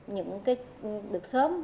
những cái được sớm